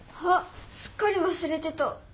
あっすっかりわすれてた。